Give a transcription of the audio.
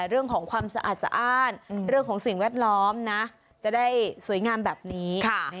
เรื่องของความสะอาดแล้วของสิ่งแวดล้อมจะได้สวยงามแบบนี้